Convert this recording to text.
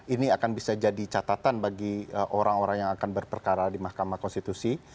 ini akan bisa jadi catatan bagi orang orang yang akan berperkara di mahkamah konstitusi